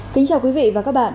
kính chào quý vị và các bạn